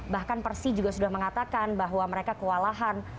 bahkan persi juga sudah mengatakan bahwa mereka kewalahan